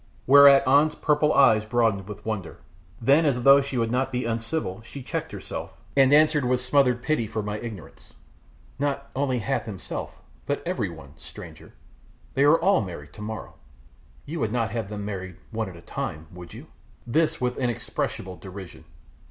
Whereat An's purple eyes broadened with wonder: then as though she would not be uncivil she checked herself, and answered with smothered pity for my ignorance, "Not only Hath himself, but every one, stranger, they are all married tomorrow; you would not have them married one at a time, would you?" this with inexpressible derision.